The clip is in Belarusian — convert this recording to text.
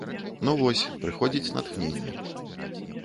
Ну вось, прыходзіць натхненне.